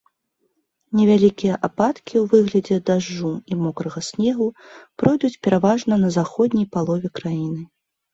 Невялікія ападкі ў выглядзе дажджу і мокрага снегу пройдуць пераважна на заходняй палове краіны.